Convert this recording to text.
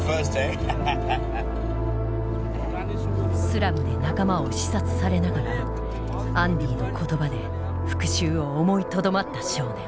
スラムで仲間を刺殺されながらアンディの言葉で復讐を思いとどまった少年。